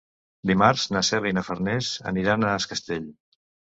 Dimarts na Cel i na Farners aniran a Es Castell.